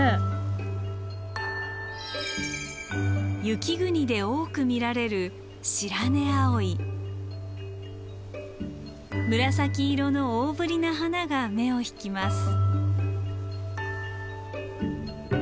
雪国で多く見られる紫色の大ぶりな花が目を引きます。